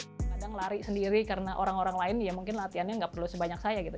saya udah berharap bisa lari sendiri karena orang orang lain ya mungkin latihannya nggak perlu sebanyak saya gitu